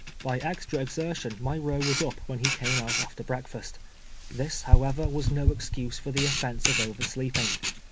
By extra exertion my row was uj) when he came out after breakfast. This, however, was no excuse for the offence of oversleeping.